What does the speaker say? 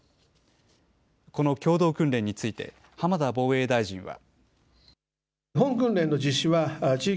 この共同訓練について浜田防衛大臣は。